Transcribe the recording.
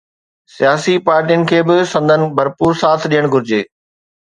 سياسي پارٽين کي به سندن ڀرپور ساٿ ڏيڻ گهرجي.